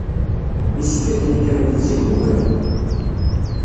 Yessefk ad d-tnekremt zik ugar.